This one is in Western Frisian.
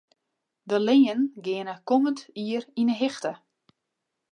De leanen geane kommend jier yn 'e hichte.